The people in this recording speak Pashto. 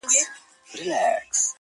تباه كړي مي څو شلي كندوگان دي-